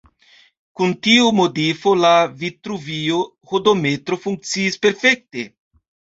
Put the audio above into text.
Kun tiu modifo, la Vitruvio-hodometro funkciis perfekte.